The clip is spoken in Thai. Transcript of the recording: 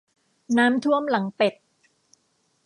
น้ำท่วมหลังเป็ด